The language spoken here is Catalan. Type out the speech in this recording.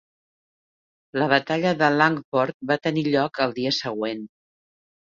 La batalla de Langport va tenir lloc el dia següent.